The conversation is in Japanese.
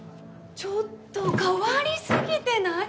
ちょっと変わりすぎてない！？